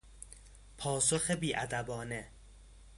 پاسخ بیادبانه